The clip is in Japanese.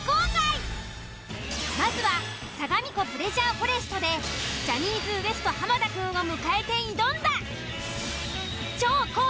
［まずはさがみ湖プレジャーフォレストでジャニーズＷＥＳＴ濱田君を迎えて挑んだ］